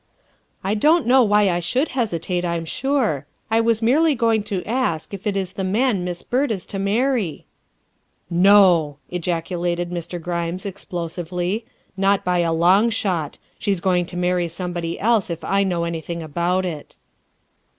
" I don't know why I should hesitate, I'm sure. I was merely going to ask if it is the man Miss Byrd is to marry ?''" No," ejaculated Mr. Grimes explosively, "not by a long shot. She's going to marry somebody else if I know anything about it."